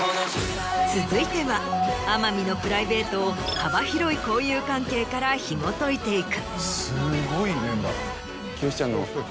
続いては天海のプライベートを幅広い交友関係からひもといていく。